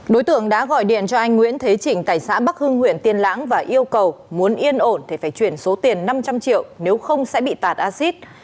đối tượng đã gọi điện cho anh nguyễn thế chỉnh tại xã bắc hưng huyện tiên lãng và yêu cầu muốn yên ổn thì phải chuyển số tiền năm trăm linh triệu nếu không sẽ bị tạt acid